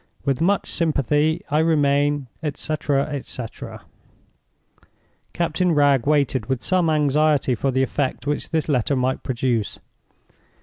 With much sympathy, I remain, etc. etc." Captain Wragge waited with some anxiety for the effect which this letter might produce.